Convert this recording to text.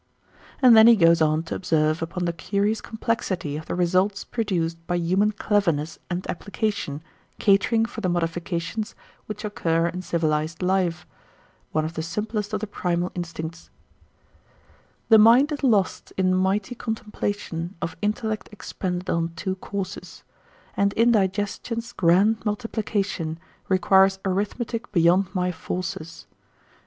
And then he goes on to observe upon the curious complexity of the results produced by human cleverness and application catering for the modifications which occur in civilized life, one of the simplest of the primal instincts: "The mind is lost in mighty contemplation Of intellect expended on two courses; And indigestion's grand multiplication Requires arithmetic beyond my forces.